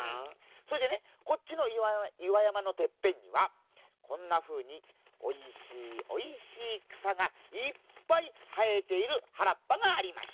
それでねこっちのいわやまのてっぺんにはこんなふうにおいしいおいしいくさがいっぱいはえているはらっぱがありました。